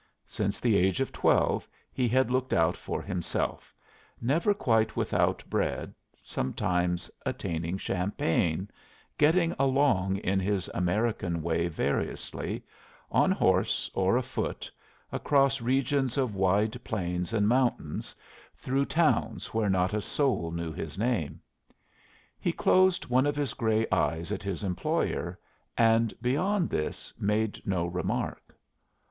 Since the age of twelve he had looked out for himself, never quite without bread, sometimes attaining champagne, getting along in his American way variously, on horse or afoot, across regions of wide plains and mountains, through towns where not a soul knew his name. He closed one of his gray eyes at his employer, and beyond this made no remark.